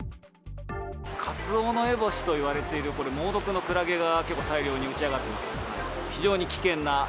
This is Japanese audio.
カツオノエボシといわれているこれ、猛毒のクラゲが大量に打ち上がっています。